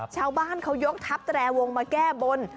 ชาวบ้านเขายกทัพแตรวงมาแก้บน